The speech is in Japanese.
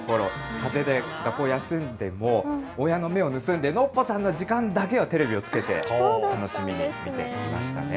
かぜで学校を休んでも親の目を盗んでノッポさんの時間だけはテレビをつけて、楽しみに見ていました。